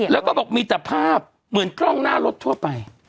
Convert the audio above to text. แล้วก็บอกมีแต่ภาพเหมือนกล้องหน้ารถทั่วไป